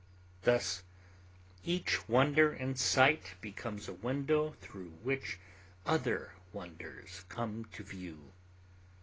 Thus each wonder in sight becomes a window through which other wonders come to view.